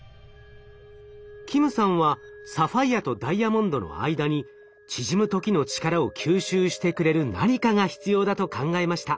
金さんはサファイアとダイヤモンドの間に縮む時の力を吸収してくれる何かが必要だと考えました。